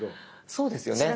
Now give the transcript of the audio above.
そうですよね。